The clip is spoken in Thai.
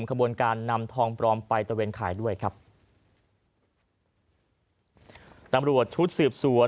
ขบวนการนำทองปลอมไปตะเวนขายด้วยครับตำรวจชุดสืบสวน